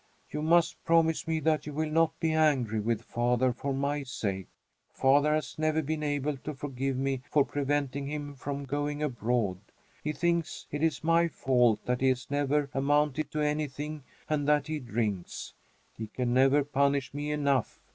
"You must promise me that you will not be angry with father for my sake. Father has never been able to forgive me for preventing him from going abroad. He thinks it is my fault that he has never amounted to anything and that he drinks. He can never punish me enough.